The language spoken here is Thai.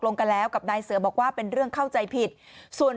ลงกันแล้วกับนายเสือบอกว่าเป็นเรื่องเข้าใจผิดส่วน